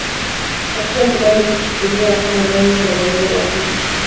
Hatutakubali kuchukulia kama rais wa daraja ya pili